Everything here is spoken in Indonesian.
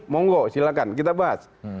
monggo silahkan kita bahas